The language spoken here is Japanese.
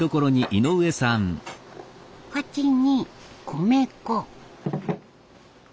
鉢に米粉。